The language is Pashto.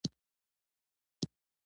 تره مې تر خپل هوس نه تېرېدو.